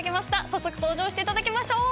早速登場していただきましょう。